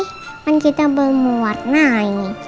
kan kita belum warnaing